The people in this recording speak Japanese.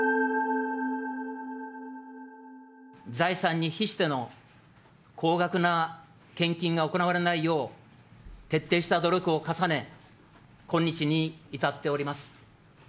財産に比しての高額な献金が行われないよう、徹底した努力を重ね、今日に至っております。